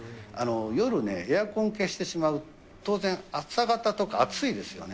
夜ね、エアコン消してしまうと、当然、朝方とか暑いですよね。